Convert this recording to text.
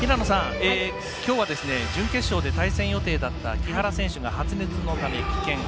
きょうは準決勝で対戦予定だった木原選手が発熱のため棄権。